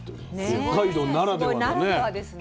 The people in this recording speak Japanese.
北海道ならではのね。